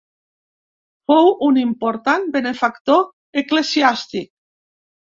Fou un important benefactor eclesiàstic.